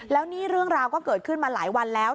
แล้วนี่เรื่องราวก็เกิดขึ้นมาหลายวันแล้ว